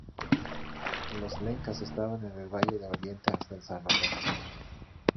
Los lencas estaban en el Valle de Oriente hasta El Salvador.